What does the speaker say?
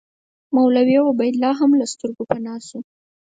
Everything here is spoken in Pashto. مولوي عبیدالله هم له سترګو پناه شو.